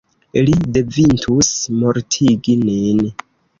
Li devintus mortigi nin.